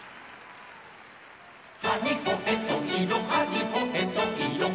「はにほへといろはにほへといろは」